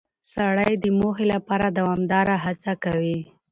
سړی د موخې لپاره دوامداره هڅه کوي